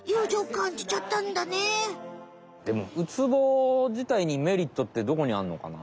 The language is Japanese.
でもウツボじたいにメリットってどこにあんのかな？